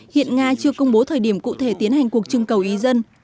hiện nga chưa công bố thời điểm cụ thể tiến hành cuộc trưng cầu ý dân